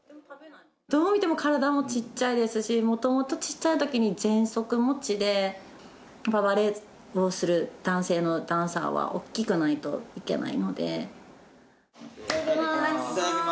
どう見ても体もちっちゃいですし、もともと小さいときにぜんそく持ちで、バレエをする男性のダンサーは、いただきます。